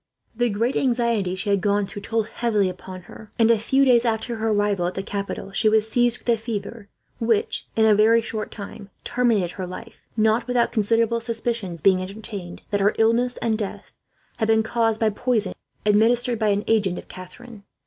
The great anxiety she had gone through told heavily upon her, and a few days after her arrival at the capital she was seized with a fever which, in a very short time, terminated her life; not without considerable suspicions being entertained that her illness and death had been caused by poison, administered by an agent of Catherine.